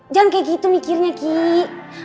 jangan kayak gitu mikirnya ki